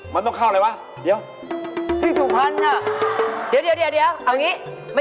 มีปลาให้ดูจริงหรือเหรอเหรอมีมี